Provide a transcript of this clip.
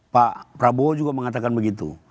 pak prabowo juga mengatakan begitu